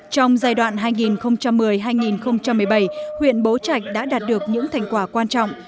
trong giai đoạn hai nghìn một mươi hai nghìn một mươi bảy huyện bố trạch đã đạt được những thành quả quan trọng